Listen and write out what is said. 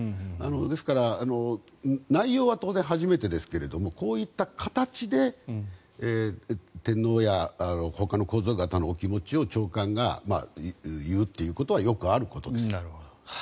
ですから内容は当然初めてですがこういった形で天皇やほかの皇族方のお気持ちを長官が言うということはよくあることです。